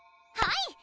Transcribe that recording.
はい！